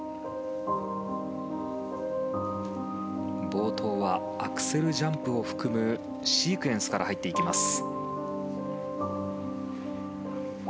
冒頭はアクセルジャンプを含むシークエンスから入っていきます。